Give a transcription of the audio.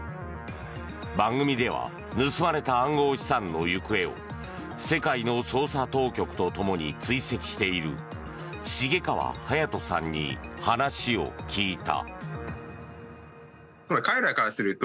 番組では盗まれた暗号資産の行方を世界の捜査当局と共に追跡している重川隼飛さんに話を聞いた。